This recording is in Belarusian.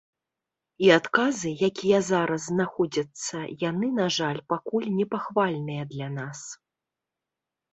І адказы, якія зараз знаходзяцца, яны, на жаль, пакуль непахвальныя для нас.